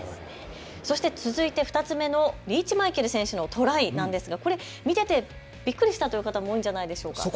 そして続いての２つ目のリーチマイケル選手のトライなんですが、これ見ててびっくりしたという方も多いんじゃないでしょうか。